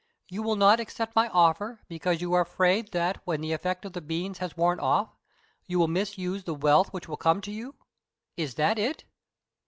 "You will not accept my offer because you are afraid that when the effect of these beans has worn off, you will misuse the wealth which will come to you is that it?"